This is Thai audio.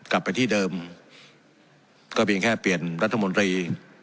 กลับไปที่เดิมก็เพียงแค่เปลี่ยนรัฐมนตรี